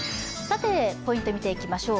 ポイント見ていきましょう。